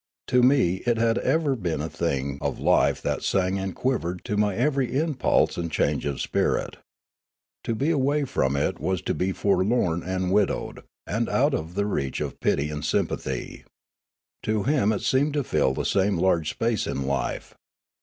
To me it had ever been a thing of life that sang and quivered to my every impulse and change of spirit. To be aw^ay from it was to be forlorn and widowed, and out of the reach of pit}' and synipath3\ To him it seemed to fill the same large space in life.